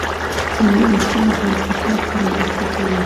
د ملي احساس له اقتصاد سره مرسته کوي؟